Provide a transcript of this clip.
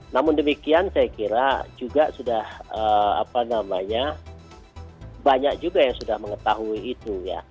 namun demikian saya kira juga sudah banyak juga yang sudah mengetahui itu ya